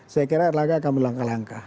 saya kira erlangga akan melangkah langkah